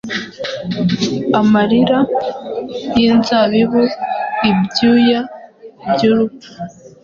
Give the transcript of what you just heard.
Amarira y'inzabibu, ibyuya byurupfu